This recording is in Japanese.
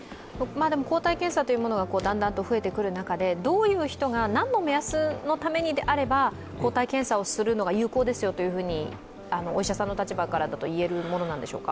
抗体検査というものがだんだんと増えてくる中で、どういう人が何の目安のためにあれば、抗体検査をするのが有効ですよというふうにお医者さんの立場からだと言えるものなんでしょうか？